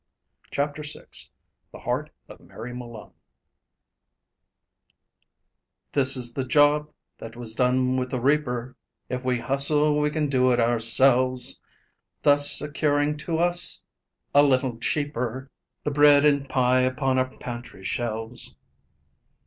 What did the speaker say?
Chapter VI THE HEART OF MARY MALONE "This is the job that was done with the reaper, If we hustle we can do it ourselves, Thus securing to us a little cheaper, The bread and pie upon our pantry shelves.